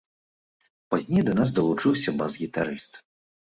Пазней да нас далучыўся бас-гістарыст.